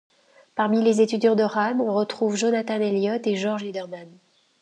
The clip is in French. Parmi les étudiants de Ran, on trouve Jonathan Elliott et Jorge Liderman.